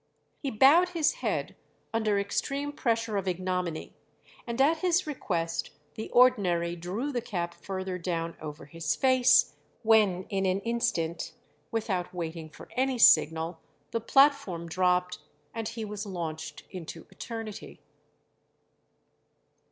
He bowed his head under extreme pressure of ignominy, and at his request the ordinary drew the cap further down over his face, when in an instant, without waiting for any signal, the platform dropped, and he was launched into eternity."